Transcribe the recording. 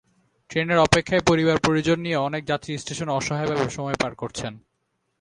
ট্রেনের অপেক্ষায় পরিবার-পরিজন নিয়ে অনেক যাত্রী স্টেশনে অসহায়ভাবে সময় পার করছেন।